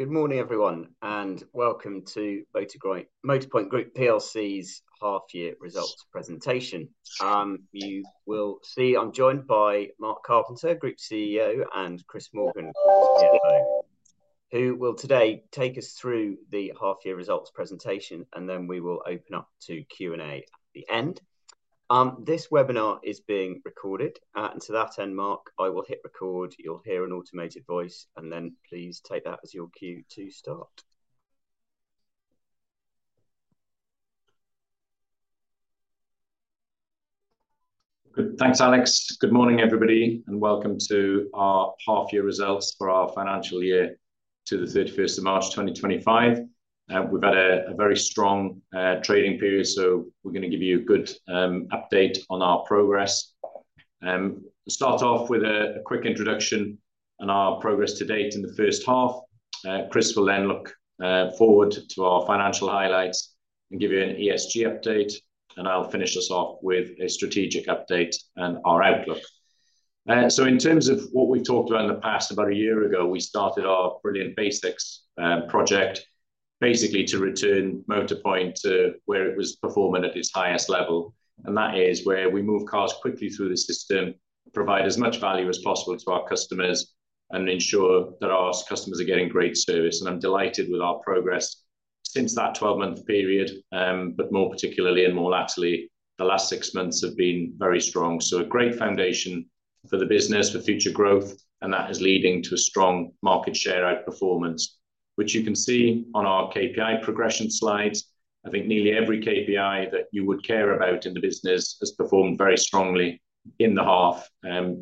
Good morning, everyone, and Welcome to Motorpoint Group PLC's Half-year Results Presentation. You will see I'm joined by Mark Carpenter, Group CEO, and Chris Morgan, CFO, who will today take us through the half-year results presentation, and then we will open up to Q&A at the end. This webinar is being recorded, and to that end, Mark, I will hit record. You'll hear an automated voice, and then please take that as your cue to start. Thanks, Alex. Good morning, everybody, and welcome to our half-year results for our financial year to the 31st of March 2025. We've had a very strong trading period, so we're going to give you a good update on our progress. We'll start off with a quick introduction on our progress to date in the first half. Chris will then look forward to our financial highlights and give you an ESG update, and I'll finish us off with a strategic update and our outlook. So in terms of what we've talked about in the past, about a year ago, we started our Brilliant Basics project basically to return Motorpoint to where it was performing at its highest level, and that is where we move cars quickly through the system, provide as much value as possible to our customers, and ensure that our customers are getting great service. And I'm delighted with our progress since that 12-month period, but more particularly and more laterally, the last six months have been very strong. So a great foundation for the business, for future growth, and that is leading to a strong market share outperformance, which you can see on our KPI progression slides. I think nearly every KPI that you would care about in the business has performed very strongly in the half,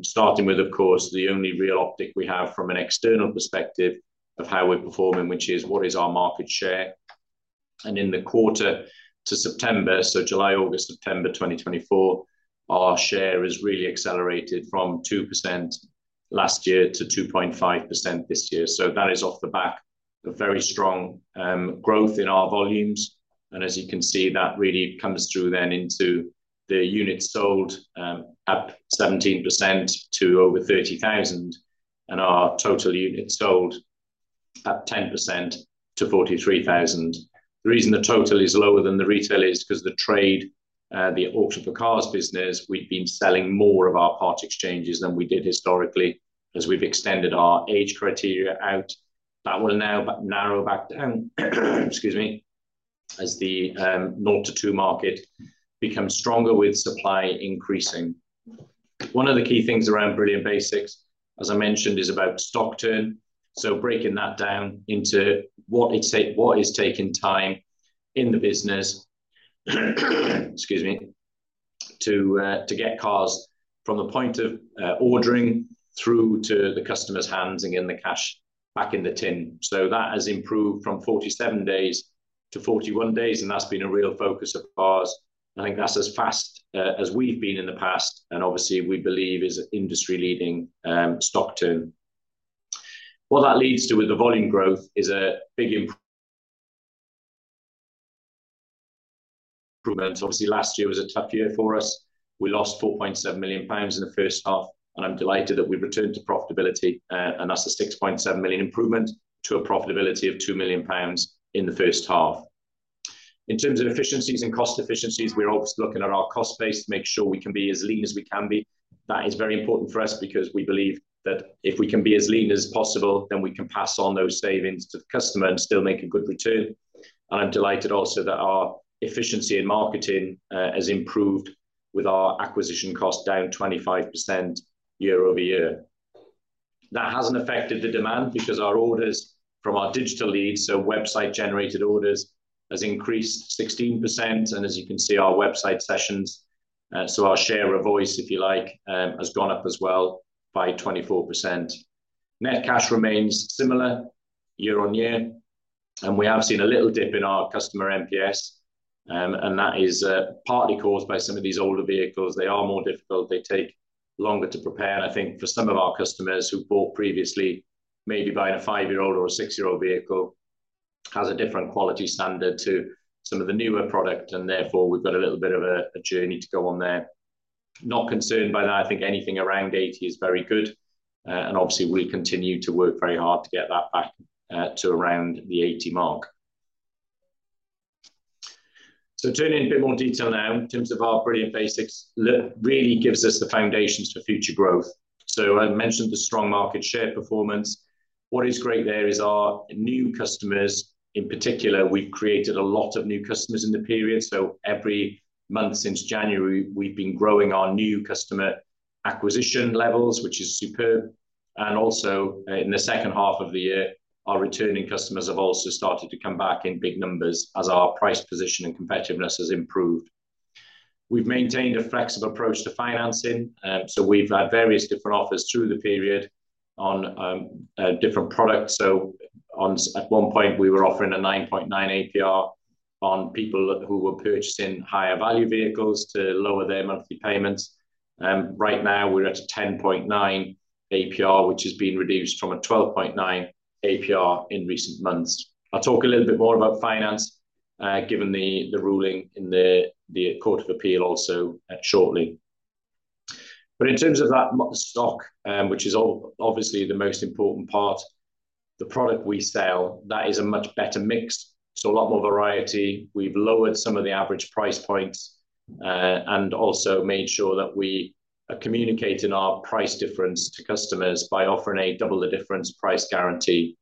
starting with, of course, the only real uptick we have from an external perspective of how we're performing, which is what is our market share. And in the quarter to September, so July, August, September 2024, our share has really accelerated from 2% last year to 2.5% this year. So that is off the back of very strong growth in our volumes. As you can see, that really comes through then into the units sold at 17% to over 30,000, and our total units sold at 10% to 43,000. The reason the total is lower than the retail is because the trade, the Auction4Cars business, we've been selling more of our part exchanges than we did historically as we've extended our age criteria out. That will now narrow back down, excuse me, as the 0-2 market becomes stronger with supply increasing. One of the key things around Brilliant Basics, as I mentioned, is about stock turn. So breaking that down into what is taking time in the business, excuse me, to get cars from the point of ordering through to the customer's hands and getting the cash back in the tin. So that has improved from 47 days to 41 days, and that's been a real focus of ours. I think that's as fast as we've been in the past, and obviously we believe is industry-leading stock turn. What that leads to with the volume growth is a big improvement. Obviously, last year was a tough year for us. We lost 4.7 million pounds in the first half, and I'm delighted that we've returned to profitability, and that's a 6.7 million improvement to a profitability of 2 million pounds in the first half. In terms of efficiencies and cost efficiencies, we're obviously looking at our cost base to make sure we can be as lean as we can be. That is very important for us because we believe that if we can be as lean as possible, then we can pass on those savings to the customer and still make a good return. I'm delighted also that our efficiency in marketing has improved with our acquisition cost down 25% year-over-year. That hasn't affected the demand because our orders from our digital leads, so website-generated orders, have increased 16%, and as you can see, our website sessions, so our share of voice, if you like, has gone up as well by 24%. Net cash remains similar year on year, and we have seen a little dip in our customer NPS, and that is partly caused by some of these older vehicles. They are more difficult. They take longer to prepare, and I think for some of our customers who bought previously, maybe buying a five-year-old or a six-year-old vehicle, it has a different quality standard to some of the newer products, and therefore we've got a little bit of a journey to go on there. Not concerned by that. I think anything around 80 is very good, and obviously we'll continue to work very hard to get that back to around the 80 mark. So turning to a bit more detail now, in terms of our Brilliant Basics, it really gives us the foundations for future growth. So I mentioned the strong market share performance. What is great there is our new customers. In particular, we've created a lot of new customers in the period. So every month since January, we've been growing our new customer acquisition levels, which is superb. And also in the second half of the year, our returning customers have also started to come back in big numbers as our price position and competitiveness has improved. We've maintained a flexible approach to financing, so we've had various different offers through the period on different products. At one point, we were offering a 9.9 APR on people who were purchasing higher value vehicles to lower their monthly payments. Right now, we're at a 10.9 APR, which has been reduced from a 12.9 APR in recent months. I'll talk a little bit more about finance given the ruling in the Court of Appeal also shortly. But in terms of that stock, which is obviously the most important part, the product we sell, that is a much better mix. A lot more variety. We've lowered some of the average price points and also made sure that we are communicating our price difference to customers by offering a Double the Difference price guarantee.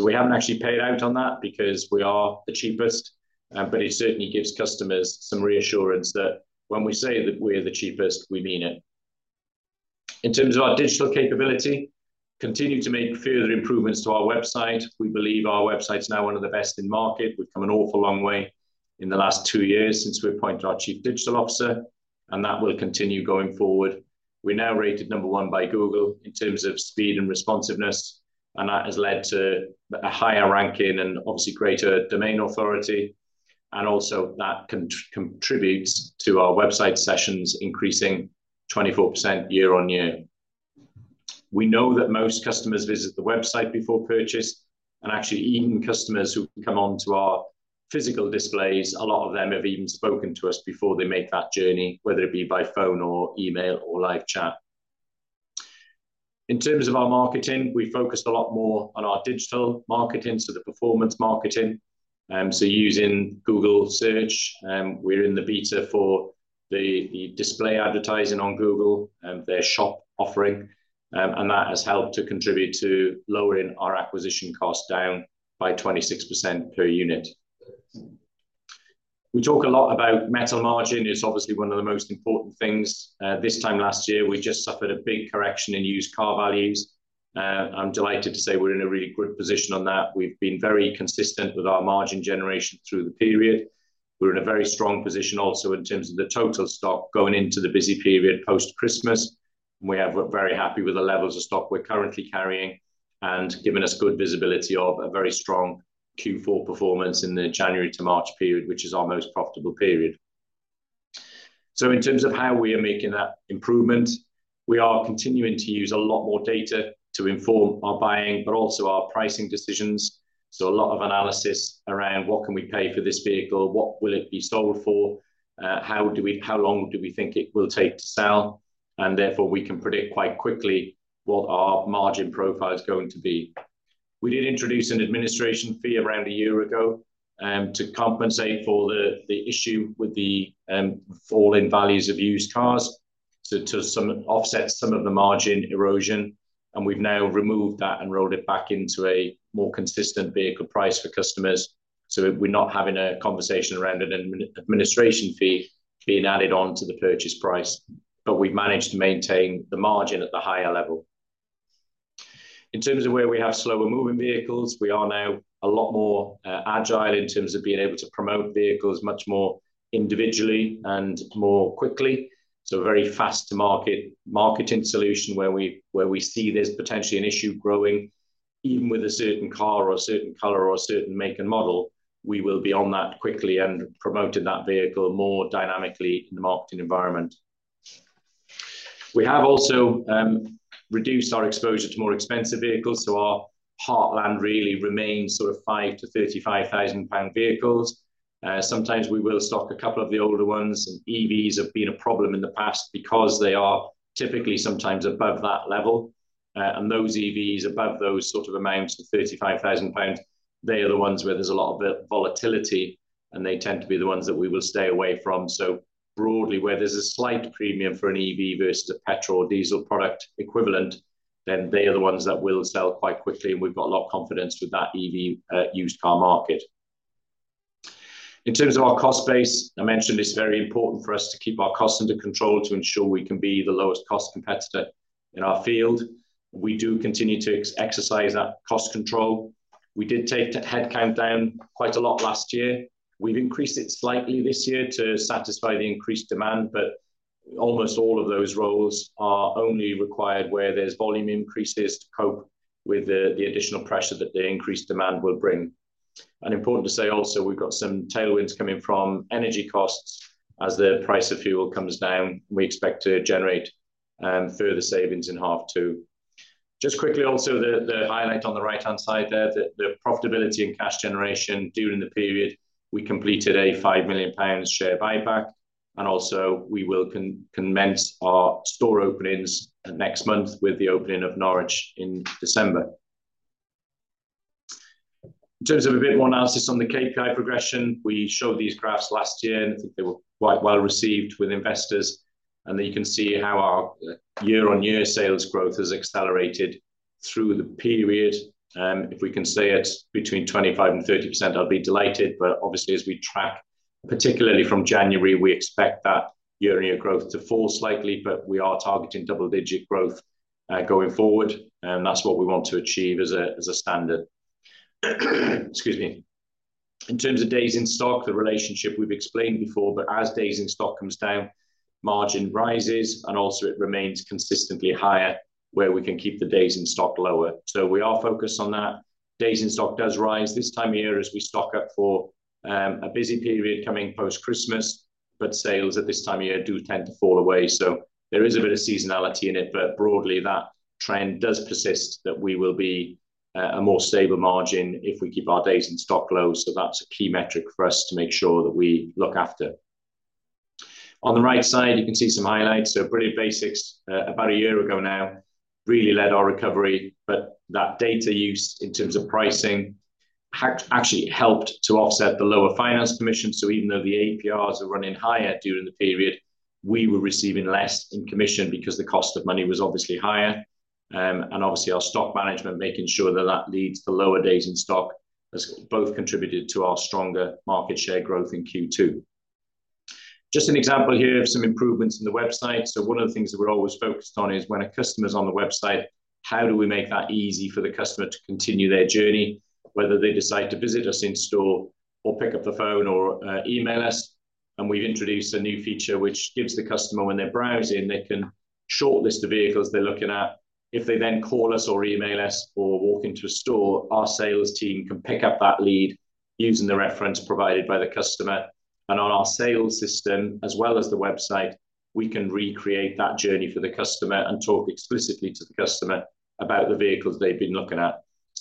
We haven't actually paid out on that because we are the cheapest, but it certainly gives customers some reassurance that when we say that we are the cheapest, we mean it. In terms of our digital capability, we continue to make further improvements to our website. We believe our website is now one of the best in the market. We've come an awful long way in the last two years since we appointed our Chief Digital Officer, and that will continue going forward. We're now rated number one by Google in terms of speed and responsiveness, and that has led to a higher ranking and obviously greater domain authority, and also that contributes to our website sessions increasing 24% year on year. We know that most customers visit the website before purchase, and actually even customers who come on to our physical displays, a lot of them have even spoken to us before they make that journey, whether it be by phone or email or live chat. In terms of our marketing, we focused a lot more on our digital marketing, so the performance marketing. So using Google Search, we're in the beta for the display advertising on Google and their shop offering, and that has helped to contribute to lowering our acquisition cost down by 26% per unit. We talk a lot about metal margin. It's obviously one of the most important things. This time last year, we just suffered a big correction in used car values. I'm delighted to say we're in a really good position on that. We've been very consistent with our margin generation through the period. We're in a very strong position also in terms of the total stock going into the busy period post-Christmas. We have been very happy with the levels of stock we're currently carrying and giving us good visibility of a very strong Q4 performance in the January to March period, which is our most profitable period. So in terms of how we are making that improvement, we are continuing to use a lot more data to inform our buying, but also our pricing decisions. So a lot of analysis around what can we pay for this vehicle, what will it be sold for, how long do we think it will take to sell, and therefore we can predict quite quickly what our margin profile is going to be. We did introduce an administration fee around a year ago to compensate for the issue with the fall in values of used cars to offset some of the margin erosion, and we've now removed that and rolled it back into a more consistent vehicle price for customers. So we're not having a conversation around an administration fee being added on to the purchase price, but we've managed to maintain the margin at the higher level. In terms of where we have slower-moving vehicles, we are now a lot more agile in terms of being able to promote vehicles much more individually and more quickly. So a very fast-to-market marketing solution where we see there's potentially an issue growing, even with a certain car or a certain color or a certain make and model, we will be on that quickly and promoting that vehicle more dynamically in the marketing environment. We have also reduced our exposure to more expensive vehicles, so our heartland really remains sort of 5,000-35,000 pound vehicles. Sometimes we will stock a couple of the older ones. EVs have been a problem in the past because they are typically sometimes above that level, and those EVs above those sort of amounts of 35,000 pounds, they are the ones where there's a lot of volatility, and they tend to be the ones that we will stay away from. So broadly, where there's a slight premium for an EV versus a petrol or diesel product equivalent, then they are the ones that will sell quite quickly, and we've got a lot of confidence with that EV used car market. In terms of our cost base, I mentioned it's very important for us to keep our costs under control to ensure we can be the lowest cost competitor in our field. We do continue to exercise that cost control. We did take the headcount down quite a lot last year. We've increased it slightly this year to satisfy the increased demand, but almost all of those roles are only required where there's volume increases to cope with the additional pressure that the increased demand will bring, and important to say also, we've got some tailwinds coming from energy costs as the price of fuel comes down. We expect to generate further savings in H2 too. Just quickly also, the highlight on the right-hand side there, the profitability and cash generation during the period. We completed a 5 million pounds share buyback, and also we will commence our store openings next month with the opening of Norwich in December. In terms of a bit more analysis on the KPI progression, we showed these graphs last year, and I think they were quite well received with investors, and you can see how our year-on-year sales growth has accelerated through the period. If we can stay at between 25% and 30%, I'd be delighted, but obviously as we track, particularly from January, we expect that year-on-year growth to fall slightly, but we are targeting double-digit growth going forward, and that's what we want to achieve as a standard. Excuse me. In terms of days in stock, the relationship we've explained before, but as days in stock comes down, margin rises, and also it remains consistently higher where we can keep the days in stock lower. So we are focused on that. Days in stock does rise this time of year as we stock up for a busy period coming post-Christmas, but sales at this time of year do tend to fall away. So there is a bit of seasonality in it, but broadly, that trend does persist that we will be a more stable margin if we keep our days in stock low. So that's a key metric for us to make sure that we look after. On the right side, you can see some highlights. Brilliant Basics, about a year ago now, really led our recovery, but that data use in terms of pricing actually helped to offset the lower finance commission. So even though the APRs are running higher during the period, we were receiving less in commission because the cost of money was obviously higher. And obviously, our stock management, making sure that that leads to lower days in stock, has both contributed to our stronger market share growth in Q2. Just an example here of some improvements in the website. So one of the things that we're always focused on is when a customer is on the website, how do we make that easy for the customer to continue their journey, whether they decide to visit us in store or pick up the phone or email us? We've introduced a new feature which gives the customer, when they're browsing, they can shortlist the vehicles they're looking at. If they then call us or email us or walk into a store, our sales team can pick up that lead using the reference provided by the customer. On our sales system, as well as the website, we can recreate that journey for the customer and talk explicitly to the customer about the vehicles they've been looking at.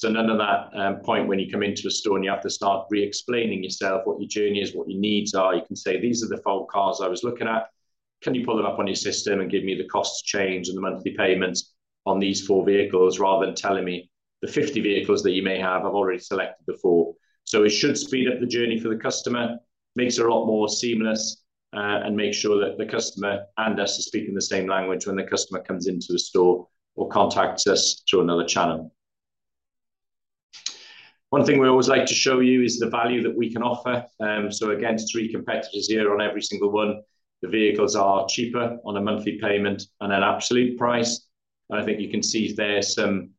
At that point when you come into a store and you have to start re-explaining yourself what your journey is, what your needs are. You can say, "These are the four cars I was looking at. Can you pull them up on your system and give me the cost change and the monthly payments on these four vehicles?" rather than telling me, "The 50 vehicles that you may have I've already selected before." So it should speed up the journey for the customer, makes it a lot more seamless, and makes sure that the customer and us are speaking the same language when the customer comes into the store or contacts us through another channel. One thing we always like to show you is the value that we can offer. So against three competitors here on every single one, the vehicles are cheaper on a monthly payment and an absolute price. And I think you can see there's some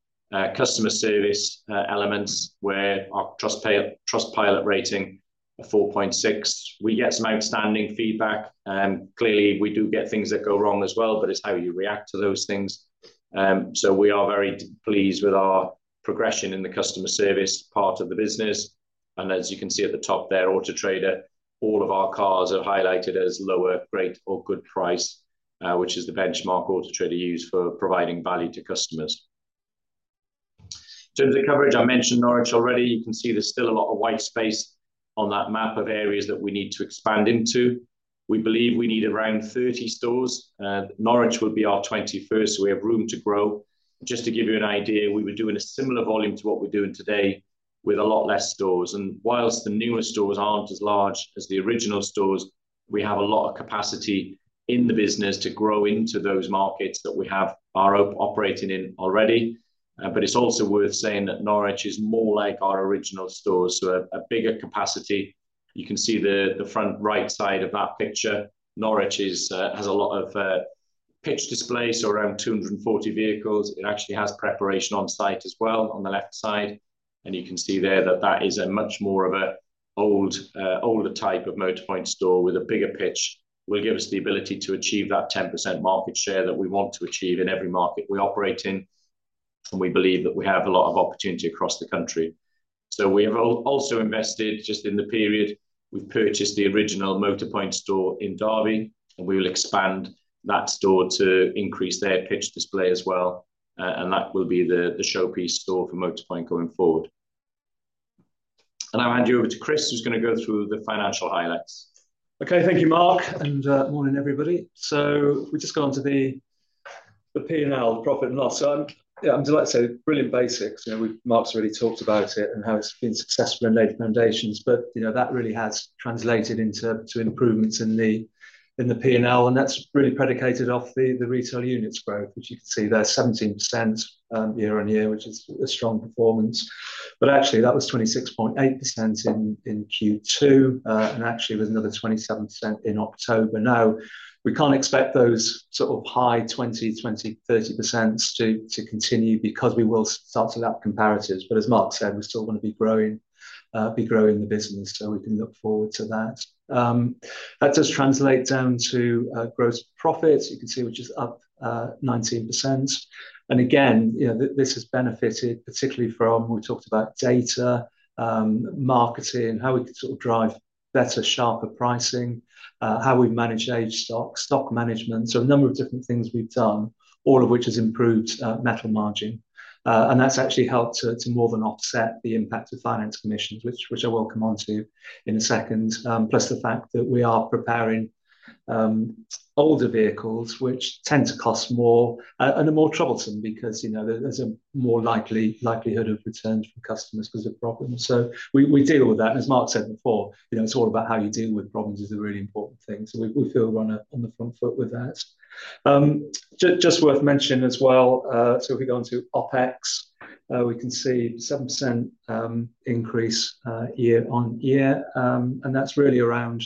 customer service elements where our Trustpilot rating of 4.6. We get some outstanding feedback. Clearly, we do get things that go wrong as well, but it's how you react to those things so we are very pleased with our progression in the customer service part of the business. And as you can see at the top there, Auto Trader, all of our cars are highlighted as lower, great, or good price, which is the benchmark Auto Trader used for providing value to customers. In terms of coverage, I mentioned Norwich already. You can see there's still a lot of white space on that map of areas that we need to expand into. We believe we need around 30 stores. Norwich will be our 21st, so we have room to grow. Just to give you an idea, we were doing a similar volume to what we're doing today with a lot less stores. And whilst the newer stores aren't as large as the original stores, we have a lot of capacity in the business to grow into those markets that we are operating in already. But it's also worth saying that Norwich is more like our original stores, so a bigger capacity. You can see the front right side of that picture. Norwich has a lot of pitch displays, so around 240 vehicles. It actually has preparation on site as well on the left side. And you can see there that that is much more of an older type of Motorpoint store with a bigger pitch. It will give us the ability to achieve that 10% market share that we want to achieve in every market we operate in. And we believe that we have a lot of opportunity across the country. So we have also invested just in the period. We've purchased the original Motorpoint store in Derby, and we will expand that store to increase their pitch display as well. And that will be the showpiece store for Motorpoint going forward. And I'll hand you over to Chris, who's going to go through the financial highlights. Okay, thank you, Mark, and morning, everybody. So we've just gone to the P&L, the profit and loss. So I'm delighted to say Brilliant Basics. Mark's already talked about it and how it's been successful and laid foundations, but that really has translated into improvements in the P&L. And that's really predicated off the retail units growth, which you can see there, 17% year on year, which is a strong performance. But actually, that was 26.8% in Q2, and actually was another 27% in October. Now, we can't expect those sort of high 20/20, 30% to continue because we will start to lap comparatives. But as Mark said, we still want to be growing the business, so we can look forward to that. That does translate down to gross profits, you can see, which is up 19%. And again, this has benefited particularly from we talked about data, marketing, how we could sort of drive better, sharper pricing, how we've managed stock management. So a number of different things we've done, all of which has improved metal margin. And that's actually helped to more than offset the impact of finance commissions, which I will come on to in a second, plus the fact that we are preparing older vehicles, which tend to cost more and are more troublesome because there's a more likely likelihood of returns from customers because of problems. So we deal with that. And as Mark said before, it's all about how you deal with problems is a really important thing. So we feel we're on the front foot with that. Just worth mentioning as well, so if we go on to OpEx, we can see a 7% increase year on year. And that's really around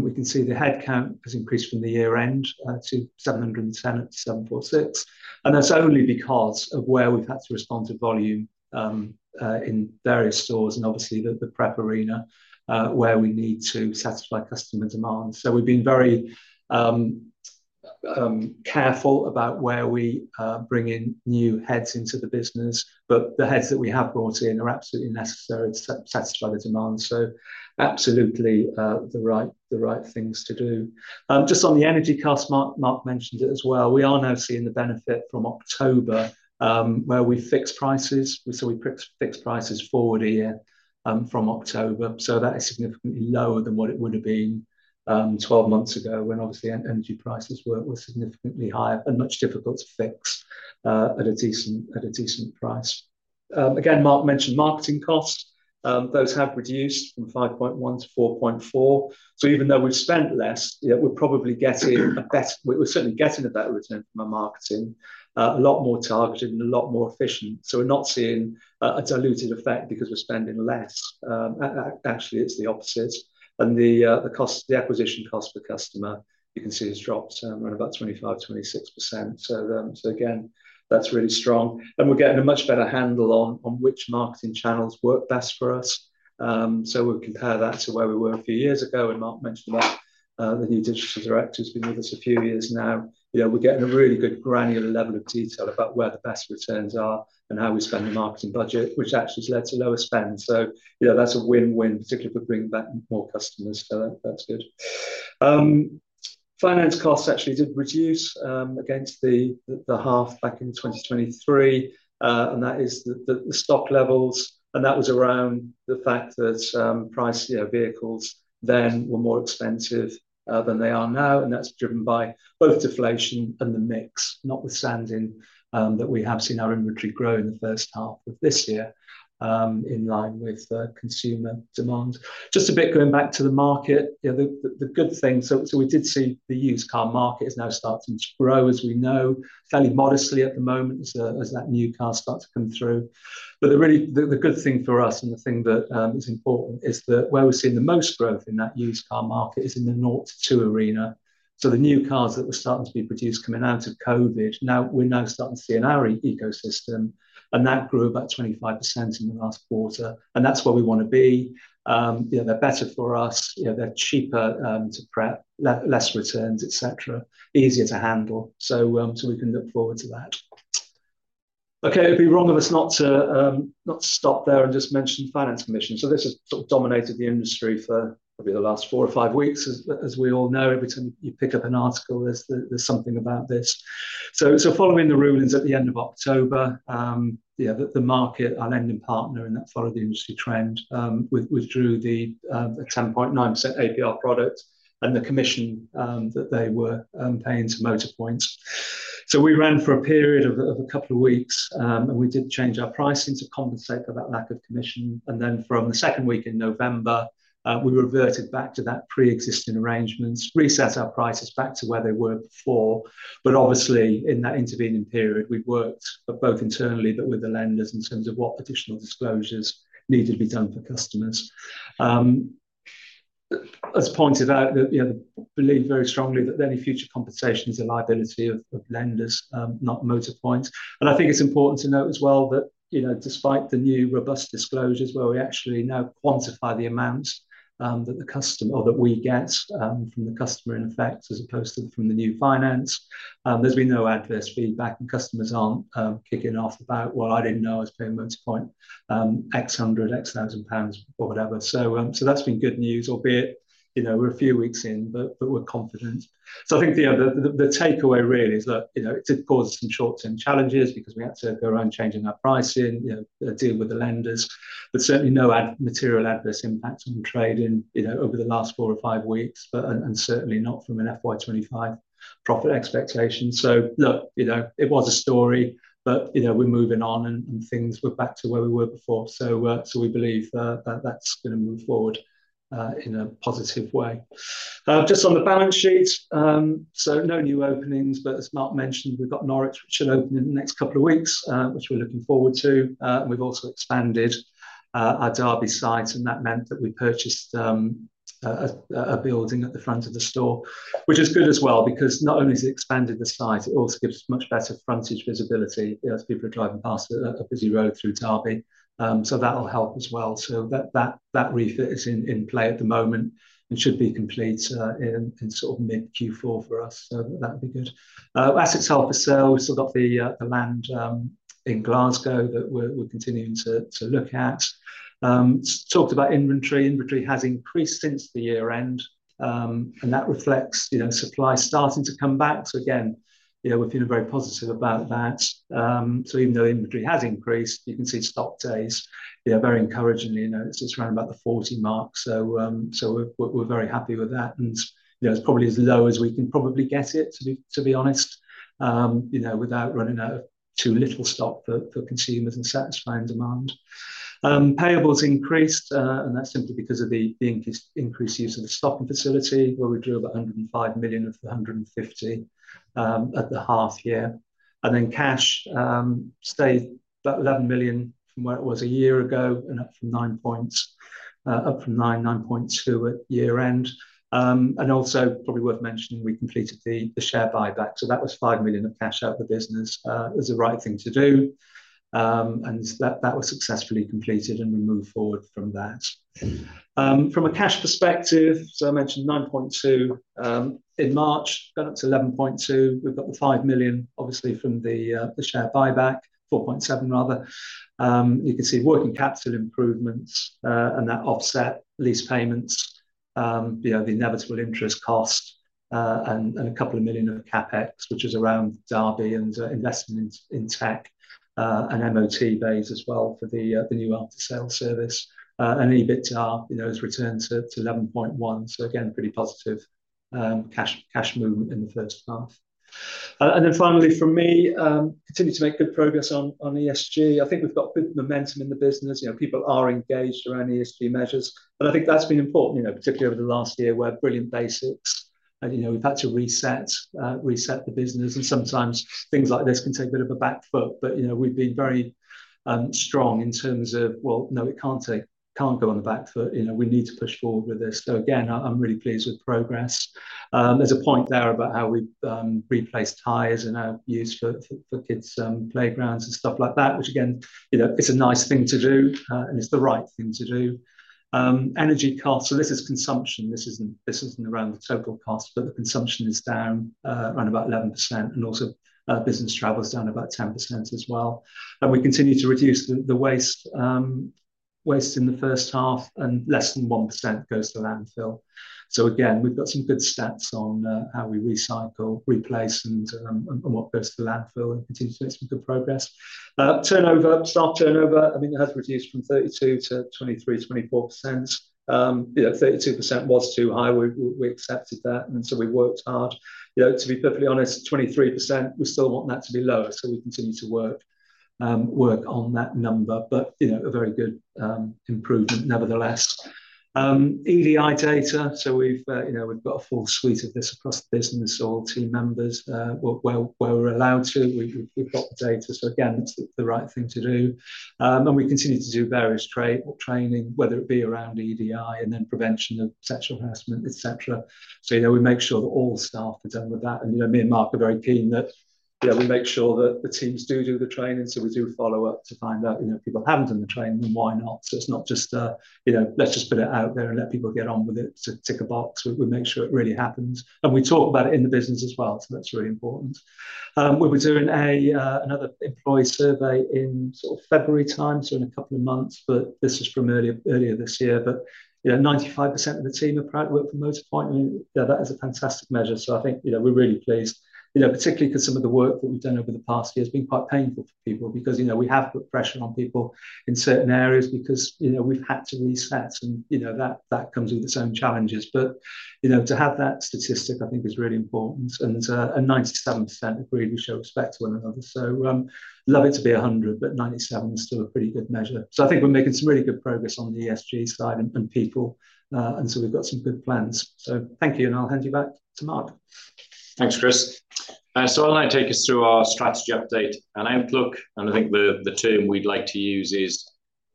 we can see the headcount has increased from the year-end to 710 up to 746. And that's only because of where we've had to respond to volume in various stores and obviously the prep arena where we need to satisfy customer demand. So we've been very careful about where we bring in new heads into the business, but the heads that we have brought in are absolutely necessary to satisfy the demand. So absolutely the right things to do. Just on the energy cost, Mark mentioned it as well. We are now seeing the benefit from October where we fixed prices. So we fixed prices forward a year from October. So that is significantly lower than what it would have been 12 months ago when obviously energy prices were significantly higher and much more difficult to fix at a decent price. Again, Mark mentioned marketing costs. Those have reduced from 5.1 to 4.4. So even though we've spent less, we're certainly getting a better return from our marketing, a lot more targeted and a lot more efficient. So we're not seeing a diluted effect because we're spending less. Actually, it's the opposite. And the acquisition cost per customer, you can see has dropped around about 25%, 26%. So again, that's really strong. And we're getting a much better handle on which marketing channels work best for us. So we'll compare that to where we were a few years ago, and Mark mentioned that the new digital director has been with us a few years now. We're getting a really good granular level of detail about where the best returns are and how we spend the marketing budget, which actually has led to lower spend. So that's a win-win, particularly if we're bringing back more customers. So that's good. Finance costs actually did reduce against the half back in 2023, and that is the stock levels. And that was around the fact that priced vehicles then were more expensive than they are now, and that's driven by both deflation and the mix, not with standing that we have seen our inventory grow in the first half of this year in line with consumer demand. Just a bit going back to the market, the good thing, so we did see the used car market is now starting to grow, as we know, fairly modestly at the moment as that new car starts to come through. But the good thing for us and the thing that is important is that where we're seeing the most growth in that used car market is in the zero- two market. So the new cars that were starting to be produced coming out of COVID, now we're starting to see in our ecosystem, and that grew about 25% in the last quarter. And that's where we want to be. They're better for us. They're cheaper to prep, less returns, etc., easier to handle. So we can look forward to that. Okay, it'd be wrong of us not to stop there and just mention finance commission. So this has sort of dominated the industry for probably the last four or five weeks, as we all know. Every time you pick up an article, there's something about this. So following the rulings at the end of October, the market, our lending partner, and that followed the industry trend, withdrew the 10.9% APR product and the commission that they were paying to Motorpoint. So we ran for a period of a couple of weeks, and we did change our pricing to compensate for that lack of commission. And then from the second week in November, we reverted back to that pre-existing arrangements, reset our prices back to where they were before. But obviously, in that intervening period, we worked both internally, but with the lenders in terms of what additional disclosures needed to be done for customers. As pointed out, I believe very strongly that any future compensation is a liability of lenders, not Motorpoint. I think it's important to note as well that despite the new robust disclosures where we actually now quantify the amounts that the customer or that we get from the customer in effect as opposed to from the new finance, there's been no adverse feedback, and customers aren't kicking off about, "Well, I didn't know I was paying Motorpoint X hundred, X thousand pounds," or whatever. That's been good news, albeit we're a few weeks in, but we're confident. I think the takeaway really is that it did cause some short-term challenges because we had to go around changing our pricing, deal with the lenders, but certainly no material adverse impact on trading over the last four or five weeks, and certainly not from an FY25 profit expectation. Look, it was a story, but we're moving on, and things were back to where we were before. We believe that that's going to move forward in a positive way. Just on the balance sheet, so no new openings, but as Mark mentioned, we've got Norwich, which should open in the next couple of weeks, which we're looking forward to. We've also expanded our Derby site, and that meant that we purchased a building at the front of the store, which is good as well because not only has it expanded the site, it also gives us much better frontage visibility as people are driving past a busy road through Derby. That will help as well. That refit is in play at the moment and should be complete in sort of mid-Q4 for us. That would be good. Assets help us sell. We still got the land in Glasgow that we're continuing to look at. Talked about inventory. Inventory has increased since the year-end, and that reflects supply starting to come back, so again, we're feeling very positive about that, so even though inventory has increased, you can see stock days very encouragingly. It's around about the 40 mark, so we're very happy with that, and it's probably as low as we can probably get it, to be honest, without running out of too little stock for consumers and satisfying demand. Payables increased, and that's simply because of the increased use of the RCF, where we drew about 105 million of the 150 million at the half year, and then cash stayed about 11 million from where it was a year ago and up from 9.9 million, 9.2 million at year-end, and also probably worth mentioning, we completed the share buyback. That was 5 million of cash out of the business. It was the right thing to do. And that was successfully completed, and we moved forward from that. From a cash perspective, so I mentioned 9.2 million in March, got up to 11.2 million. We've got the 5 million, obviously, from the share buyback, 4.7 million, rather. You can see working capital improvements and that offset lease payments, the inevitable interest cost, and a couple of million of CAPEX, which is around Derby and investment in tech and MOT bays as well for the new after-sale service. And EBITDA has returned to 11.1 million. So again, pretty positive cash movement in the first half. And then finally, for me, continue to make good progress on ESG. I think we've got good momentum in the business. People are engaged around ESG measures. But I think that's been important, particularly over the last year where Brilliant Basics. And we've had to reset the business. And sometimes things like this can take a bit of a back foot. But we've been very strong in terms of, well, no, it can't go on the back foot. We need to push forward with this. So again, I'm really pleased with progress. There's a point there about how we replace tires and how it's used for kids' playgrounds and stuff like that, which again, it's a nice thing to do, and it's the right thing to do. Energy costs, so this is consumption. This isn't around the total cost, but the consumption is down around about 11%. And also business travel is down about 10% as well. And we continue to reduce the waste in the first half, and less than 1% goes to landfill. So again, we've got some good stats on how we recycle, replace, and what goes to landfill and continue to make some good progress. Turnover, staff turnover, I mean, it has reduced from 32% to 23-24%. 32% was too high. We accepted that, and so we worked hard. To be perfectly honest, 23%, we still want that to be lower. So we continue to work on that number, but a very good improvement nevertheless. EDI data, so we've got a full suite of this across the business, all team members, where we're allowed to. We've got the data. So again, it's the right thing to do. And we continue to do various training, whether it be around EDI and then prevention of sexual harassment, etc. So we make sure that all staff are done with that. Me and Mark are very keen that we make sure that the teams do do the training. So we do follow up to find out if people haven't done the training, then why not? So it's not just, let's just put it out there and let people get on with it to tick a box. We make sure it really happens. We talk about it in the business as well. So that's really important. We were doing another employee survey in sort of February time, so in a couple of months, but this was from earlier this year. 95% of the team work for Motorpoint. That is a fantastic measure. So I think we're really pleased, particularly because some of the work that we've done over the past year has been quite painful for people because we have put pressure on people in certain areas because we've had to reset, and that comes with its own challenges, but to have that statistic, I think, is really important, and 97% agreed we show respect to one another, so love it to be 100, but 97 is still a pretty good measure, so I think we're making some really good progress on the ESG side and people, and so we've got some good plans, so thank you, and I'll hand you back to Mark. Thanks, Chris, so I'll now take us through our strategy update and outlook, and I think the term we'd like to use is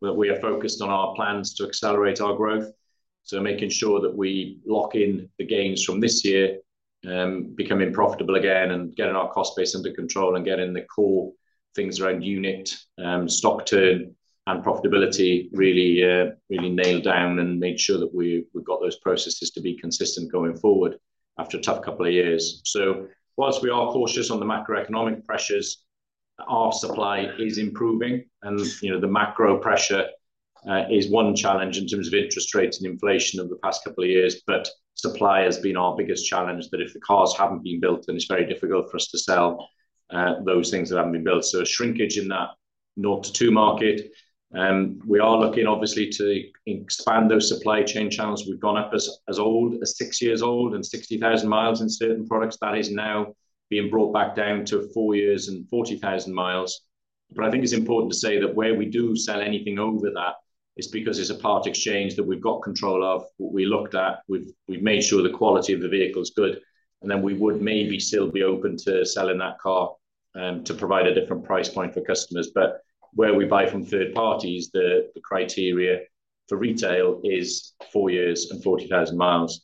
that we are focused on our plans to accelerate our growth. Making sure that we lock in the gains from this year, becoming profitable again, and getting our cost base under control, and getting the core things around unit, stock turn, and profitability really nailed down and made sure that we've got those processes to be consistent going forward after a tough couple of years. While we are cautious on the macroeconomic pressures, our supply is improving. The macro pressure is one challenge in terms of interest rates and inflation over the past couple of years, but supply has been our biggest challenge. If the cars haven't been built, then it's very difficult for us to sell those things that haven't been built. There is a shrinkage in that 0-2 market. We are looking, obviously, to expand those supply chain channels. We've gone up as old as six years old and 60,000 miles in certain products. That is now being brought back down to four years and 40,000 miles. But I think it's important to say that where we do sell anything over that is because it's a part exchange that we've got control of, what we looked at. We've made sure the quality of the vehicle is good. And then we would maybe still be open to selling that car to provide a different price point for customers. But where we buy from third parties, the criteria for retail is four years and 40,000 miles.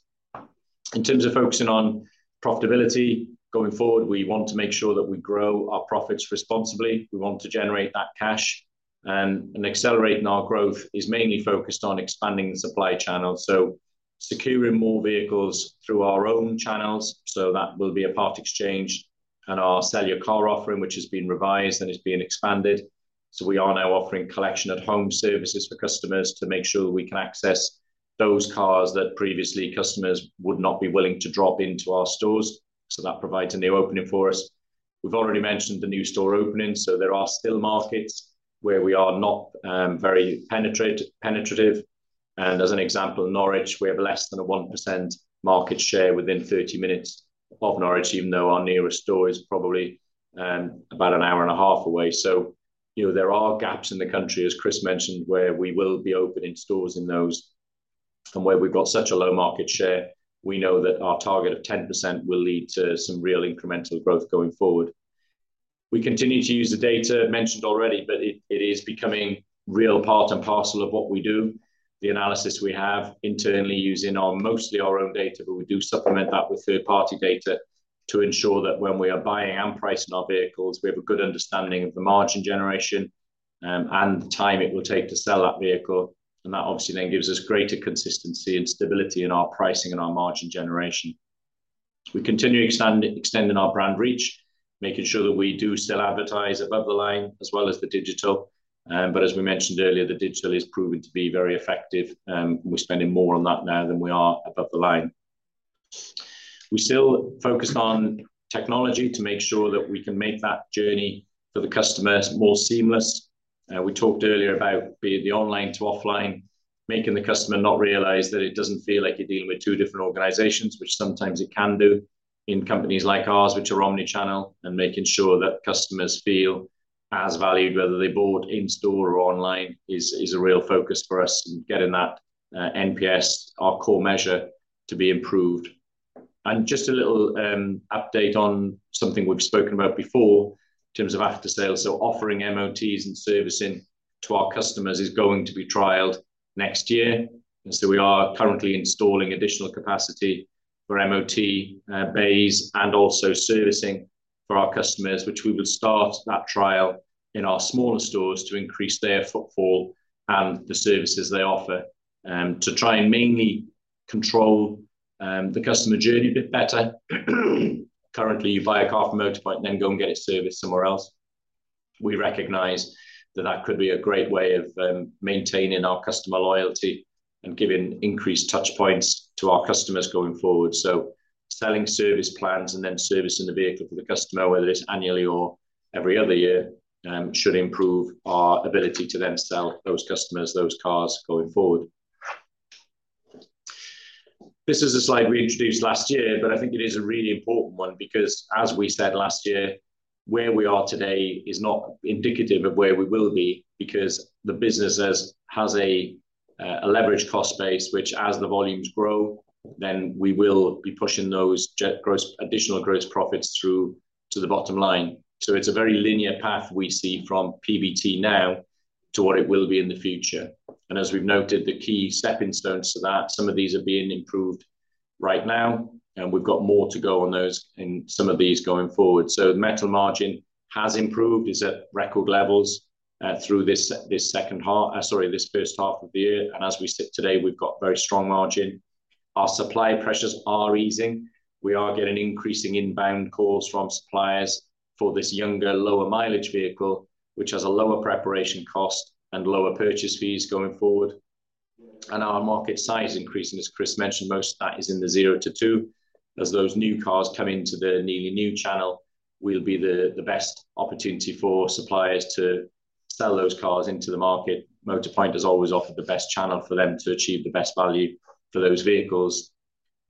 In terms of focusing on profitability going forward, we want to make sure that we grow our profits responsibly. We want to generate that cash. And accelerating our growth is mainly focused on expanding the supply channels. So securing more vehicles through our own channels. That will be a part exchange and our Sell Your Car offering, which has been revised and has been expanded. We are now offering collection at home services for customers to make sure we can access those cars that previously customers would not be willing to drop into our stores. That provides a new opening for us. We have already mentioned the new store opening. There are still markets where we are not very penetrative. As an example, in Norwich, we have less than a 1% market share within 30 minutes of Norwich, even though our nearest store is probably about an hour and a half away. There are gaps in the country, as Chris mentioned, where we will be opening stores in those. Where we've got such a low market share, we know that our target of 10% will lead to some real incremental growth going forward. We continue to use the data mentioned already, but it is becoming real part and parcel of what we do. The analysis we have internally using mostly our own data, but we do supplement that with third-party data to ensure that when we are buying and pricing our vehicles, we have a good understanding of the margin generation and the time it will take to sell that vehicle. That obviously then gives us greater consistency and stability in our pricing and our margin generation. We continue extending our brand reach, making sure that we do still advertise above the line as well as the digital. As we mentioned earlier, the digital is proving to be very effective. We're spending more on that now than we are above the line. We still focus on technology to make sure that we can make that journey for the customers more seamless. We talked earlier about the online to offline, making the customer not realize that it doesn't feel like you're dealing with two different organizations, which sometimes it can do in companies like ours, which are omnichannel, and making sure that customers feel as valued, whether they bought in store or online, is a real focus for us and getting that NPS, our core measure, to be improved. And just a little update on something we've spoken about before in terms of after-sale. So offering MOTs and servicing to our customers is going to be trialed next year. We are currently installing additional capacity for MOT bays and also servicing for our customers, which we will start that trial in our smaller stores to increase their footfall and the services they offer to try and mainly control the customer journey a bit better. Currently, you buy a car from Motorpoint, then go and get it serviced somewhere else. We recognize that that could be a great way of maintaining our customer loyalty and giving increased touchpoints to our customers going forward. Selling service plans and then servicing the vehicle for the customer, whether it's annually or every other year, should improve our ability to then sell those customers those cars going forward. This is a slide we introduced last year, but I think it is a really important one because, as we said last year, where we are today is not indicative of where we will be because the business has a leveraged cost base, which, as the volumes grow, then we will be pushing those additional gross profits through to the bottom line so it's a very linear path we see from PBT now to what it will be in the future, and as we've noted, the key stepping stones to that, some of these are being improved right now, and we've got more to go on those and some of these going forward so Metal margin has improved. It's at record levels through this second half, sorry, this first half of the year, and as we sit today, we've got very strong margin. Our supply pressures are easing. We are getting increasing inbound calls from suppliers for this younger, lower mileage vehicle, which has a lower preparation cost and lower purchase fees going forward. And our market size increasing, as Chris mentioned, most of that is in the zero to two. As those new cars come into the nearly new channel, will be the best opportunity for suppliers to sell those cars into the market. Motorpoint has always offered the best channel for them to achieve the best value for those vehicles.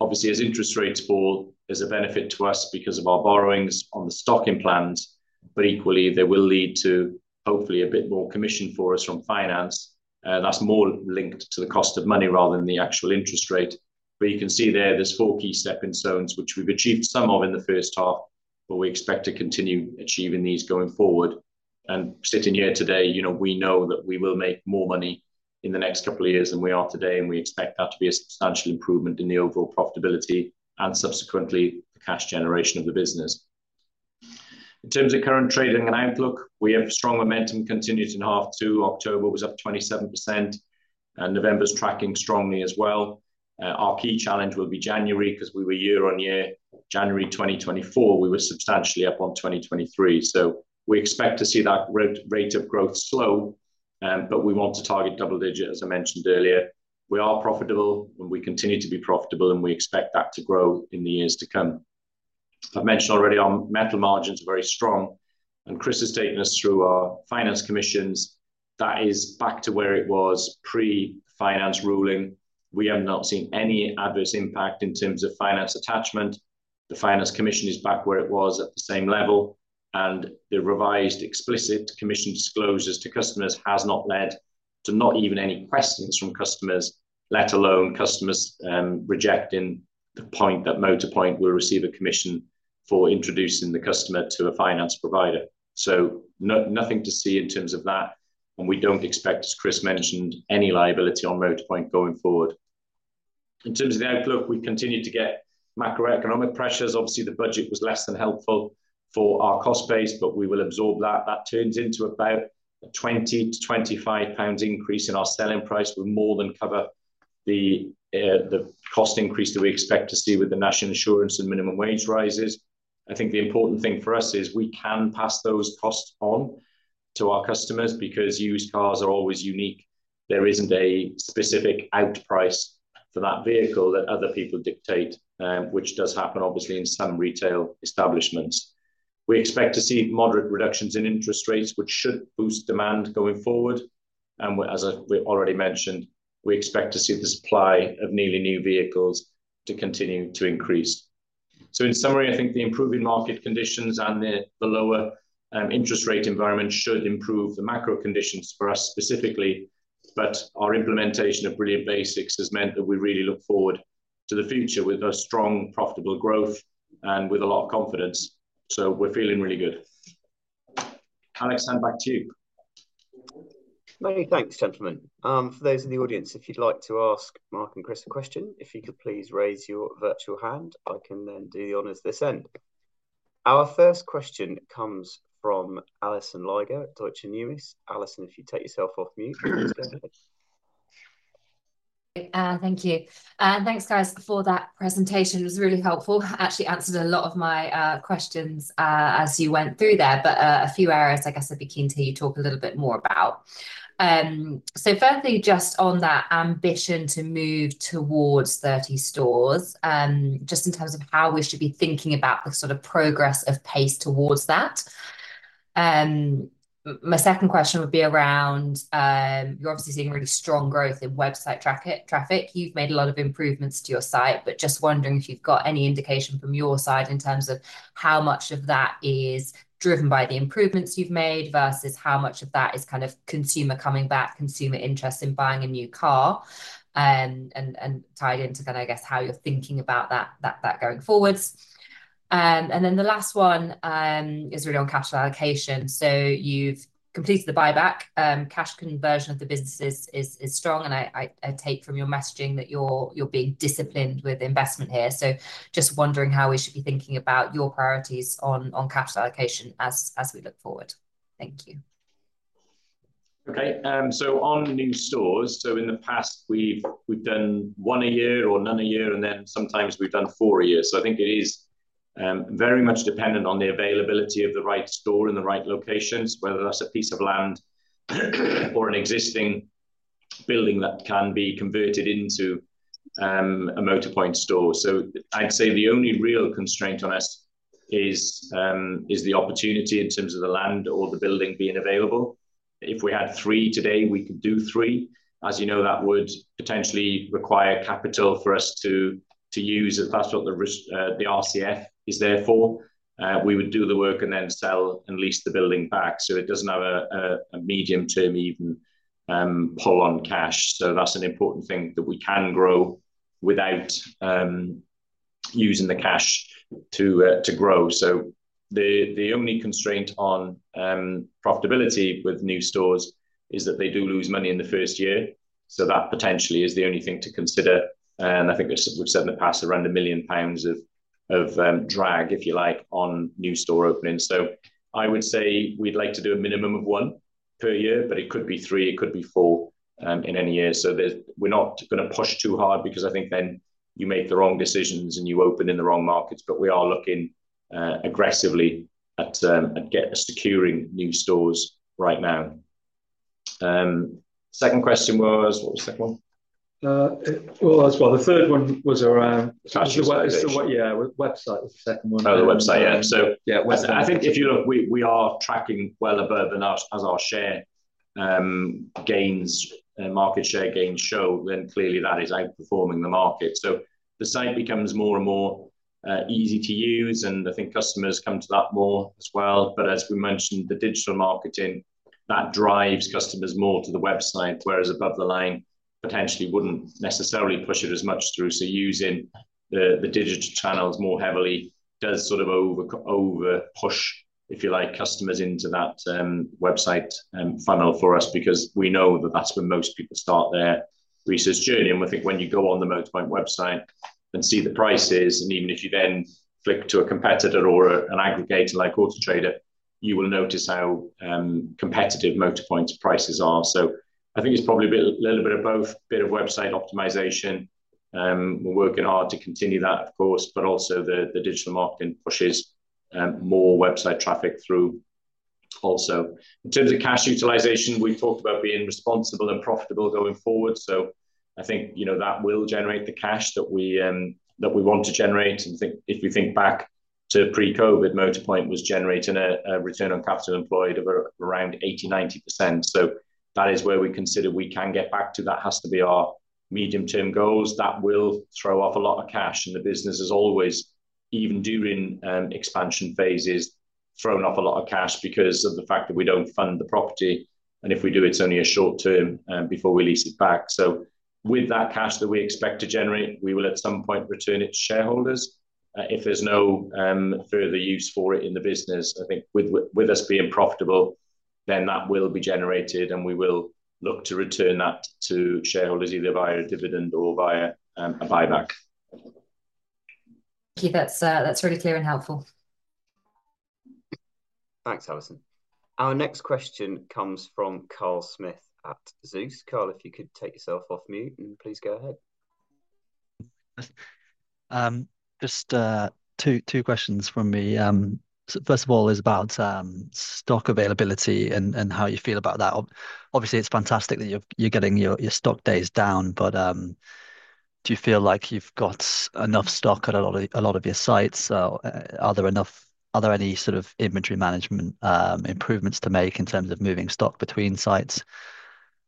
Obviously, as interest rates fall, there's a benefit to us because of our borrowings on the stocking plans, but equally, they will lead to hopefully a bit more commission for us from finance. That's more linked to the cost of money rather than the actual interest rate. But you can see there there's four key stepping stones, which we've achieved some of in the first half, but we expect to continue achieving these going forward. And sitting here today, we know that we will make more money in the next couple of years, and we are today, and we expect that to be a substantial improvement in the overall profitability and subsequently the cash generation of the business. In terms of current trading and outlook, we have strong momentum continued in half to October. We're up 27%. November's tracking strongly as well. Our key challenge will be January because we were year on year. January 2024, we were substantially up on 2023. So we expect to see that rate of growth slow, but we want to target double digits, as I mentioned earlier. We are profitable, and we continue to be profitable, and we expect that to grow in the years to come. I've mentioned already our metal margins are very strong, and Chris has taken us through our finance commissions. That is back to where it was pre-finance ruling. We have not seen any adverse impact in terms of finance attachment. The finance commission is back where it was at the same level, and the revised explicit commission disclosures to customers have not led to not even any questions from customers, let alone customers rejecting the point that Motorpoint will receive a commission for introducing the customer to a finance provider, so nothing to see in terms of that, and we don't expect, as Chris mentioned, any liability on Motorpoint going forward. In terms of the outlook, we continue to get macroeconomic pressures. Obviously, the budget was less than helpful for our cost base, but we will absorb that. That turns into about a 20-25 pounds increase in our selling price. We more than cover the cost increase that we expect to see with the national insurance and minimum wage rises. I think the important thing for us is we can pass those costs on to our customers because used cars are always unique. There isn't a specific out price for that vehicle that other people dictate, which does happen, obviously, in some retail establishments. We expect to see moderate reductions in interest rates, which should boost demand going forward, and as we already mentioned, we expect to see the supply of nearly new vehicles to continue to increase. So in summary, I think the improving market conditions and the lower interest rate environment should improve the macro conditions for us specifically. But our implementation of Brilliant Basics has meant that we really look forward to the future with a strong, profitable growth and with a lot of confidence. So we're feeling really good. Alex, hand back to you. Many thanks, gentlemen. For those in the audience, if you'd like to ask Mark and Chris a question, if you could please raise your virtual hand, I can then do the honors this end. Our first question comes from Alison Leyshon, Deutsche Numis. Alison, if you take yourself off mute. Thank you. Thanks, guys, for that presentation. It was really helpful. Actually answered a lot of my questions as you went through there, but a few areas I guess I'd be keen to hear you talk a little bit more about. So firstly, just on that ambition to move towards 30 stores, just in terms of how we should be thinking about the sort of progress of pace towards that. My second question would be around you're obviously seeing really strong growth in website traffic. You've made a lot of improvements to your site, but just wondering if you've got any indication from your side in terms of how much of that is driven by the improvements you've made versus how much of that is kind of consumer coming back, consumer interest in buying a new car, and tied into kind of, I guess, how you're thinking about that going forward. And then the last one is really on cash allocation. So you've completed the buyback. Cash conversion of the businesses is strong. And I take from your messaging that you're being disciplined with investment here. So just wondering how we should be thinking about your priorities on cash allocation as we look forward. Thank you. Okay. So on new stores, so in the past, we've done one a year or none a year, and then sometimes we've done four a year. So I think it is very much dependent on the availability of the right store in the right locations, whether that's a piece of land or an existing building that can be converted into a Motorpoint store. So I'd say the only real constraint on us is the opportunity in terms of the land or the building being available. If we had three today, we could do three. As you know, that would potentially require capital for us to use. That's what the RCF is there for. We would do the work and then sell and lease the building back. So it doesn't have a medium-term even pull on cash. So that's an important thing that we can grow without using the cash to grow. So the only constraint on profitability with new stores is that they do lose money in the first year. So that potentially is the only thing to consider. And I think we've said in the past around 1 million pounds of drag, if you like, on new store opening. So I would say we'd like to do a minimum of one per year, but it could be three. It could be four in any year. We're not going to push too hard because I think then you make the wrong decisions and you open in the wrong markets. But we are looking aggressively at securing new stores right now. Second question was, what was the second one? Well, that's what the third one was around. Yeah, the website was the second one. Oh, the website, yeah. So I think if you look, we are tracking well above as our share gains, market share gains show, then clearly that is outperforming the market. So the site becomes more and more easy to use, and I think customers come to that more as well. But as we mentioned, the digital marketing, that drives customers more to the website, whereas above the line potentially wouldn't necessarily push it as much through. Using the digital channels more heavily does sort of overpush, if you like, customers into that website funnel for us because we know that that's where most people start their research journey. And we think when you go on the Motorpoint website and see the prices, and even if you then flick to a competitor or an aggregator like Auto Trader, you will notice how competitive Motorpoint's prices are. So I think it's probably a little bit of both, a bit of website optimization. We're working hard to continue that, of course, but also the digital marketing pushes more website traffic through also. In terms of cash utilization, we talked about being responsible and profitable going forward. So I think that will generate the cash that we want to generate. I think if we think back to pre-COVID, Motorpoint was generating a return on capital employed of around 80%-90%. That is where we consider we can get back to. That has to be our medium-term goals. That will throw off a lot of cash. The business has always, even during expansion phases, thrown off a lot of cash because of the fact that we don't fund the property. If we do, it's only a short term before we lease it back. With that cash that we expect to generate, we will at some point return it to shareholders. If there's no further use for it in the business, I think with us being profitable, then that will be generated, and we will look to return that to shareholders either via a dividend or via a buyback. Thank you. That's really clear and helpful. Thanks, Alison. Our next question comes from Carl Smith at Zeus. Carl, if you could take yourself off mute and please go ahead. Just two questions from me. First of all, it's about stock availability and how you feel about that. Obviously, it's fantastic that you're getting your stock days down, but do you feel like you've got enough stock at a lot of your sites? Are there any sort of inventory management improvements to make in terms of moving stock between sites?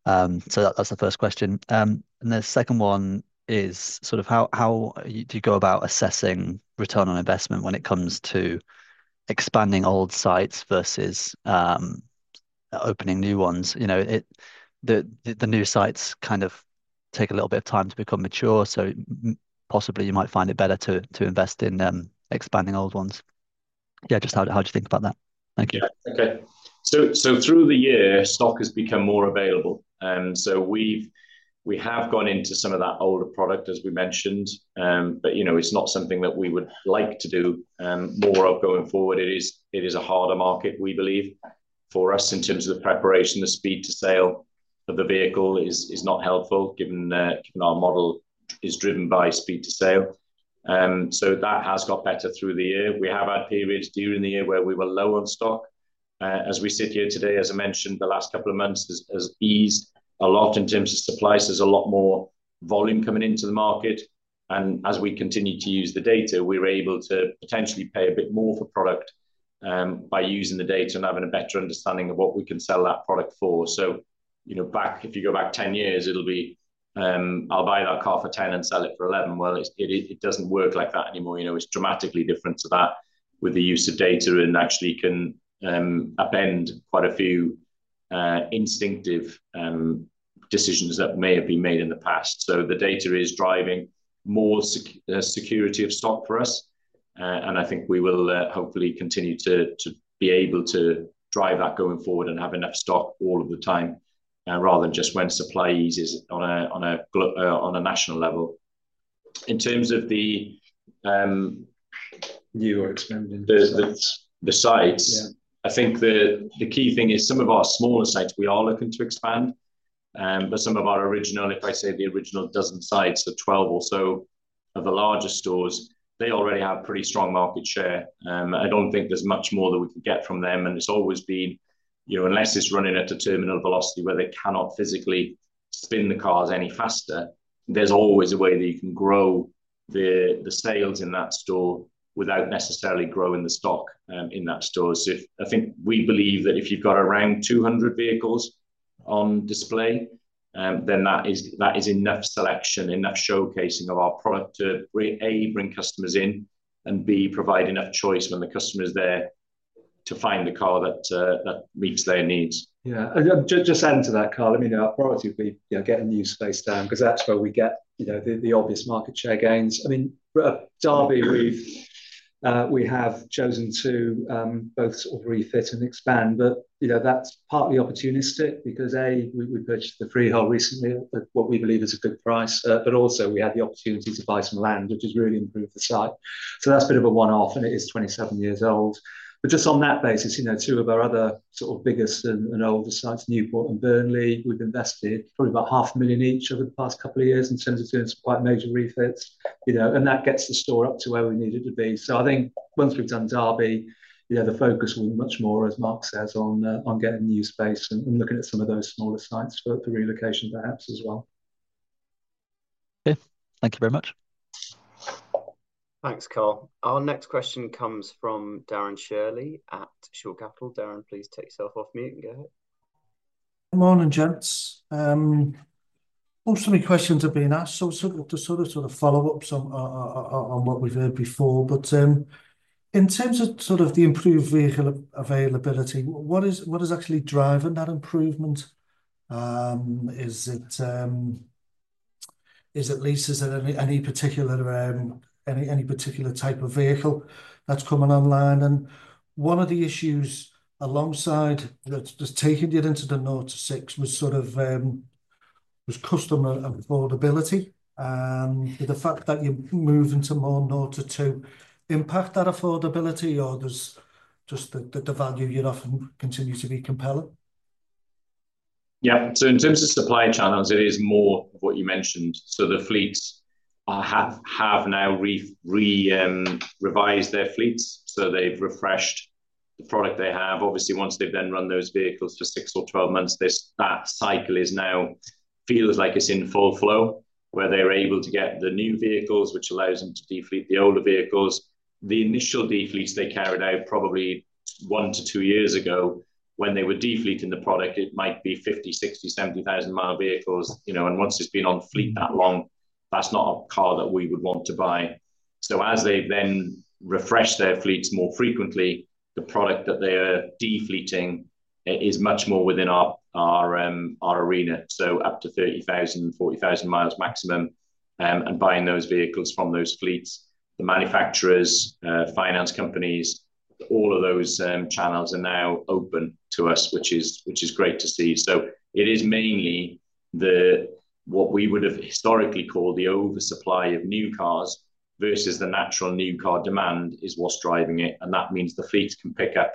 So that's the first question. And the second one is sort of how do you go about assessing return on investment when it comes to expanding old sites versus opening new ones? The new sites kind of take a little bit of time to become mature, so possibly you might find it better to invest in expanding old ones. Yeah, just how do you think about that? Thank you. Okay. So through the year, stock has become more available. So we have gone into some of that older product, as we mentioned, but it's not something that we would like to do more of going forward. It is a harder market, we believe, for us in terms of the preparation. The speed to sale of the vehicle is not helpful given our model is driven by speed to sale. So that has got better through the year. We have had periods during the year where we were low on stock. As we sit here today, as I mentioned, the last couple of months has eased a lot in terms of supply. So there's a lot more volume coming into the market. As we continue to use the data, we're able to potentially pay a bit more for product by using the data and having a better understanding of what we can sell that product for. Back, if you go back 10 years, it'll be, "I'll buy that car for 10 and sell it for 11." It doesn't work like that anymore. It's dramatically different to that with the use of data and actually can upend quite a few instinctive decisions that may have been made in the past. The data is driving more security of stock for us. I think we will hopefully continue to be able to drive that going forward and have enough stock all of the time rather than just when supply eases on a national level. In terms of the new or expanding the sites, I think the key thing is some of our smaller sites, we are looking to expand. But some of our original, if I say the original dozen sites or 12 or so of the larger stores, they already have pretty strong market share. I don't think there's much more that we can get from them. And it's always been, unless it's running at a terminal velocity where they cannot physically spin the cars any faster, there's always a way that you can grow the sales in that store without necessarily growing the stock in that store. So I think we believe that if you've got around 200 vehicles on display, then that is enough selection, enough showcasing of our product to, A, bring customers in, and B, provide enough choice when the customer is there to find the car that meets their needs. Yeah. Just adding to that, Carl, let me note our priority would be getting new space down because that's where we get the obvious market share gains. I mean, at Derby, we have chosen to both sort of refit and expand, but that's partly opportunistic because, A, we purchased the freehold recently at what we believe is a good price, but also we had the opportunity to buy some land, which has really improved the site. So that's a bit of a one-off, and it is 27 years old. But just on that basis, two of our other sort of biggest and older sites, Newport and Burnley, we've invested probably about 500,000 each over the past couple of years in terms of doing some quite major refits. And that gets the store up to where we need it to be. So I think once we've done Derby, the focus will be much more, as Mark says, on getting new space and looking at some of those smaller sites for relocation, perhaps, as well. Okay. Thank you very much. Thanks, Carl. Our next question comes from Darren Shirley at Shore Capital. Darren, please take yourself off mute and go ahead. Good morning, gents. Also, the questions have been asked, so sort of follow-ups on what we've heard before. But in terms of sort of the improved vehicle availability, what is actually driving that improvement? Is it leases or any particular type of vehicle that's coming online? And one of the issues alongside just taking it into the 0-6 was sort of customer affordability. The fact that you're moving to more 0-2 impact that affordability, or does just the value you're offering continue to be compelling? Yeah. So in terms of supply channels, it is more of what you mentioned. So the fleets have now revised their fleets. So they've refreshed the product they have. Obviously, once they've then run those vehicles for six or 12 months, that cycle feels like it's in full flow where they're able to get the new vehicles, which allows them to defleet the older vehicles. The initial defleets they carried out probably one to two years ago when they were defleeting the product. It might be 50,000, 60,000, 70,000-mile vehicles. And once it's been on fleet that long, that's not a car that we would want to buy. So as they then refresh their fleets more frequently, the product that they are defleeting is much more within our arena. So up to 30,000, 40,000 miles maximum. And buying those vehicles from those fleets, the manufacturers, finance companies, all of those channels are now open to us, which is great to see. So it is mainly what we would have historically called the oversupply of new cars versus the natural new car demand is what's driving it. And that means the fleets can pick up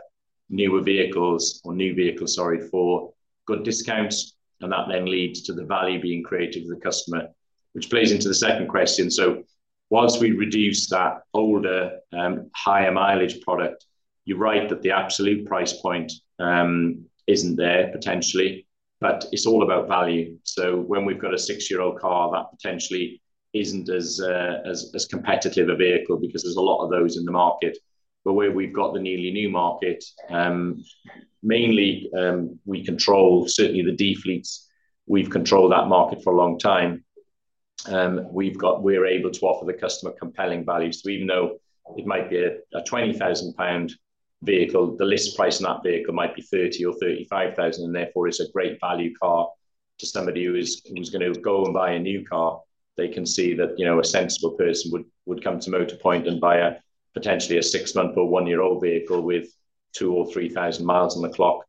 newer vehicles or new vehicles, sorry, for good discounts. And that then leads to the value being created for the customer, which plays into the second question. So once we reduce that older, higher mileage product, you're right that the absolute price point isn't there potentially, but it's all about value. So when we've got a six-year-old car, that potentially isn't as competitive a vehicle because there's a lot of those in the market. But where we've got the nearly new market, mainly we control certainly the defleets. We've controlled that market for a long time. We're able to offer the customer compelling value. So even though it might be a 20,000 pound vehicle, the list price on that vehicle might be 30,000 or 35,000. And therefore, it's a great value car to somebody who's going to go and buy a new car. They can see that a sensible person would come to Motorpoint and buy potentially a six-month or one-year-old vehicle with two or three thousand miles on the clock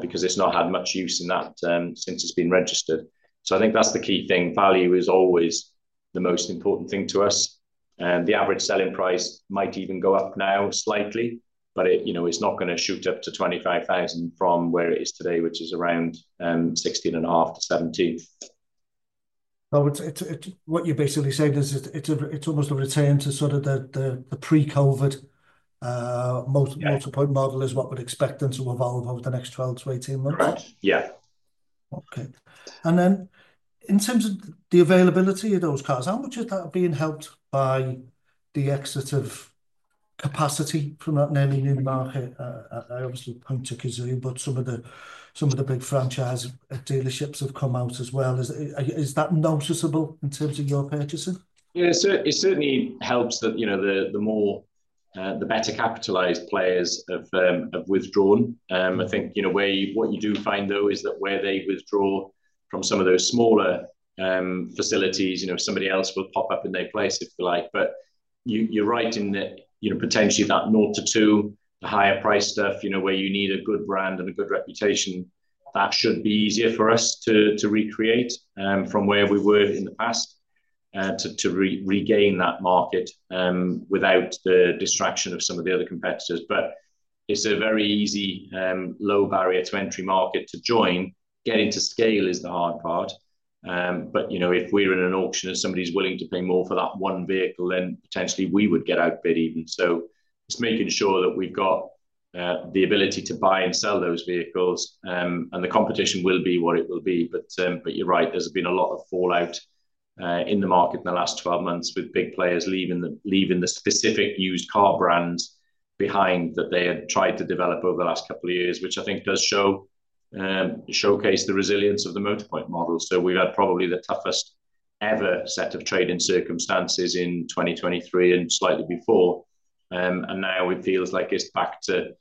because it's not had much use in that since it's been registered. So I think that's the key thing. Value is always the most important thing to us. And the average selling price might even go up now slightly, but it's not going to shoot up to 25,000 from where it is today, which is around 16,500-17,000. What you're basically saying is it's almost a return to sort of the pre-COVID Motorpoint model is what we'd expect them to evolve over the next 12 to 18 months. Yeah. Okay. And then in terms of the availability of those cars, how much is that being helped by the excess of capacity from that nearly new market? I obviously point to Cazoo, but some of the big franchise dealerships have come out as well. Is that noticeable in terms of your purchasing? Yeah. It certainly helps that the better capitalized players have withdrawn. I think what you do find, though, is that where they withdraw from some of those smaller facilities, somebody else will pop up in their place if they like. But you're right in that potentially that zero-two, the higher price stuff, where you need a good brand and a good reputation, that should be easier for us to recreate from where we were in the past to regain that market without the distraction of some of the other competitors. But it's a very easy low barrier to entry market to join. Getting to scale is the hard part. But if we're in an auction and somebody's willing to pay more for that one vehicle, then potentially we would get outbid even. So it's making sure that we've got the ability to buy and sell those vehicles. And the competition will be what it will be. But you're right, there's been a lot of fallout in the market in the last 12 months with big players leaving the specific used car brands behind that they had tried to develop over the last couple of years, which I think does showcase the resilience of the Motorpoint model. So we've had probably the toughest ever set of trading circumstances in 2023 and slightly before. And now it feels like it's back to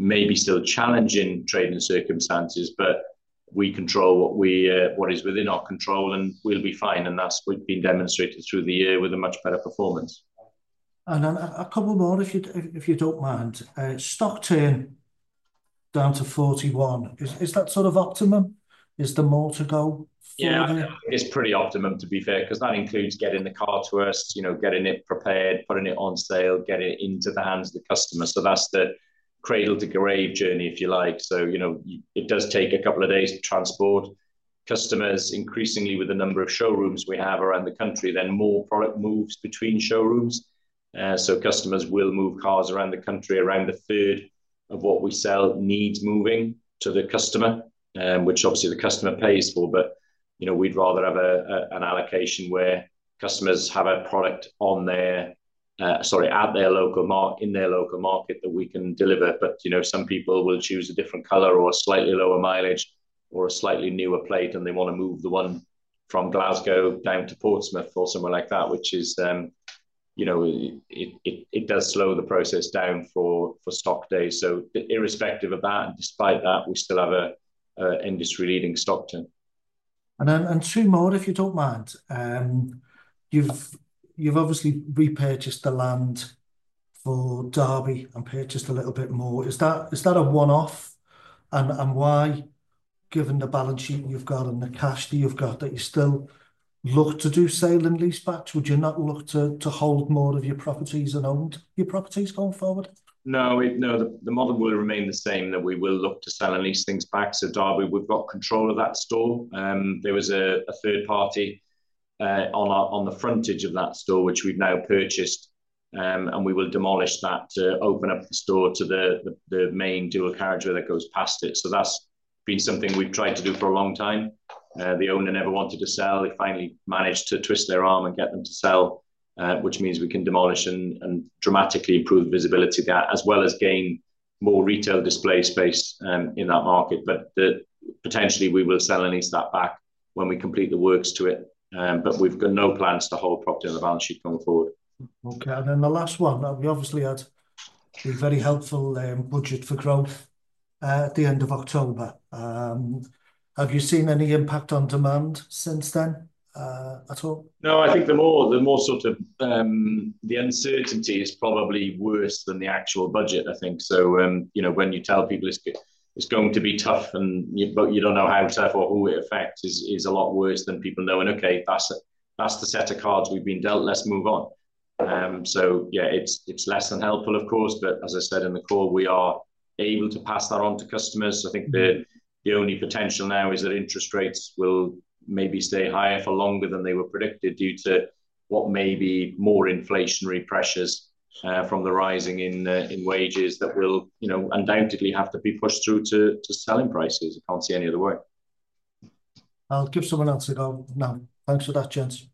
maybe still challenging trading circumstances, but we control what is within our control, and we'll be fine. And that's been demonstrated through the year with a much better performance. And a couple more, if you don't mind. Stock turn down to 41. Is that sort of optimum? Is there more to go for there? Yeah. It's pretty optimum, to be fair, because that includes getting the car to us, getting it prepared, putting it on sale, getting it into the hands of the customer. So that's the cradle to grave journey, if you like. So it does take a couple of days to transport customers. Increasingly, with the number of showrooms we have around the country, then more product moves between showrooms. So customers will move cars around the country. Around a third of what we sell needs moving to the customer, which obviously the customer pays for. But we'd rather have an allocation where customers have a product on their, sorry, at their local market that we can deliver. Some people will choose a different color or a slightly lower mileage or a slightly newer plate, and they want to move the one from Glasgow down to Portsmouth or somewhere like that, which it does slow the process down for stock days. So irrespective of that, despite that, we still have an industry-leading stock turn. And two more, if you don't mind. You've obviously repurchased the land for Derby and purchased a little bit more. Is that a one-off? And why, given the balance sheet you've got and the cash that you've got, that you still look to do sale and lease back? Would you not look to hold more of your properties and own your properties going forward? No. The model will remain the same that we will look to sell and lease things back. So Derby, we've got control of that store. There was a third party on the frontage of that store, which we've now purchased, and we will demolish that to open up the store to the main dual carriageway that goes past it. So that's been something we've tried to do for a long time. The owner never wanted to sell. They finally managed to twist their arm and get them to sell, which means we can demolish and dramatically improve visibility of that, as well as gain more retail display space in that market. But potentially, we will sell and lease that back when we complete the works to it. But we've got no plans to hold property on the balance sheet going forward. Okay. And then the last one. We obviously had a very helpful budget for growth at the end of October. Have you seen any impact on demand since then at all? No. I think the more sort of the uncertainty is probably worse than the actual budget, I think. So when you tell people it's going to be tough, but you don't know how tough or who it affects, is a lot worse than people knowing, "Okay, that's the set of cards we've been dealt. Let's move on." So yeah, it's less than helpful, of course. But as I said in the call, we are able to pass that on to customers. I think the only potential now is that interest rates will maybe stay higher for longer than they were predicted due to what may be more inflationary pressures from the rising in wages that will undoubtedly have to be pushed through to selling prices. I can't see any other way. I'll give someone else a go. Now, thanks for that, gents.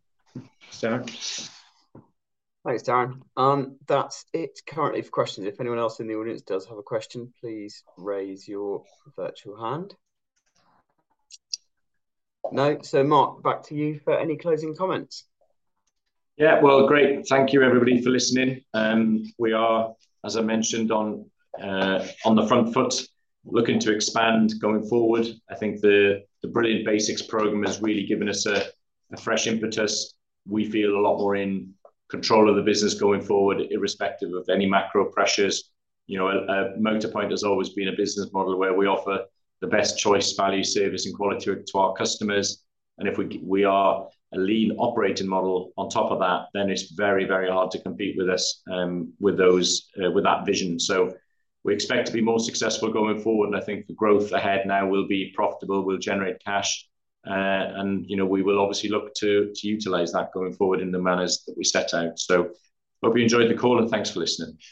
Thanks, Darren. That's it currently for questions. If anyone else in the audience does have a question, please raise your virtual hand. No. So Mark, back to you for any closing comments. Yeah. Well, great. Thank you, everybody, for listening. We are, as I mentioned, on the front foot, looking to expand going forward. I think the Brilliant Basics program has really given us a fresh impetus. We feel a lot more in control of the business going forward, irrespective of any macro pressures. Motorpoint has always been a business model where we offer the best choice, value, service, and quality to our customers. And if we are a lean operating model on top of that, then it's very, very hard to compete with us with that vision. So we expect to be more successful going forward. And I think the growth ahead now will be profitable. We'll generate cash. And we will obviously look to utilize that going forward in the manners that we set out. So hope you enjoyed the call, and thanks for listening.